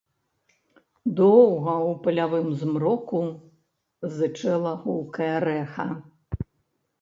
Доўга ў палявым змроку зычэла гулкае рэха.